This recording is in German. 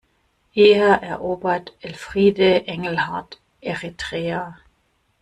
Eher erobert Elfriede Engelhart Eritrea!